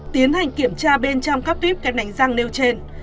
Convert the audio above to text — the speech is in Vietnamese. tiến hành kiểm tra bên trong các tuyếp kem đánh răng nêu trên